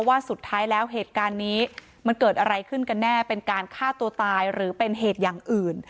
ว่าสุดท้ายแล้วเหตุการณ์นี้มันเกิดอะไรขึ้นกันแน่เป็นการฆ่าตัวตายหรือเป็นเหตุอย่างอื่น